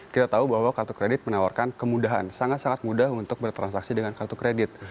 kita tahu bahwa kartu kredit menawarkan kemudahan sangat sangat mudah untuk bertransaksi dengan kartu kredit